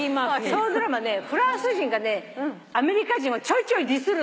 そのドラマねフランス人がねアメリカ人をちょいちょいディスるのよ。